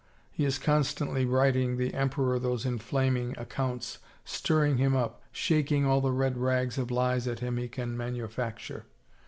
He is constantly writing the emperor those inflaming accounts, stirring him up, shaking all the red rags of lies at him he can manufacture.